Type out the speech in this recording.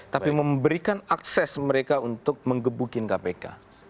tapi memberikan akses mereka untuk mengebukin kpk